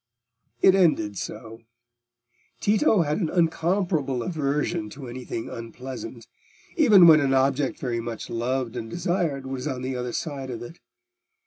It ended so. Tito had an unconquerable aversion to anything unpleasant, even when an object very much loved and desired was on the other side of it.